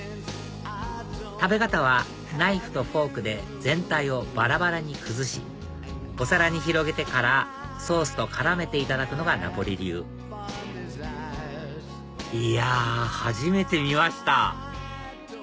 食べ方はナイフとフォークで全体をバラバラに崩しお皿に広げてからソースと絡めていただくのがナポリ流いや初めて見ました！